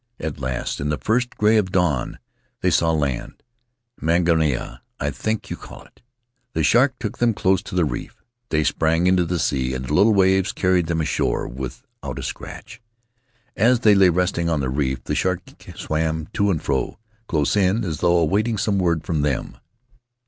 At last, in the first gray of dawn, they saw land — Mangaia, I think you call it. The shark took them close to the reef; they sprang into the sea and the little waves carried them ashore without a scratch. As they lay resting on the reef the shark swam to and fro, close in, as though awaiting some word from them.